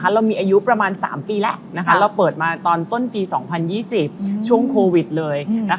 เรามีอายุประมาณ๓ปีแล้วเราเปิดมาตอนต้นปี๒๐๒๐ช่วงโควิดเลย